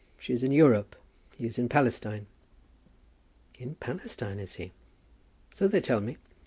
She is in Europe. He is in Palestine." "In Palestine, is he?" "So they tell me.